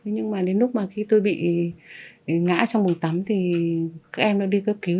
nhưng mà đến lúc mà khi tôi bị ngã trong đường tắm thì các em đã đi cấp cứu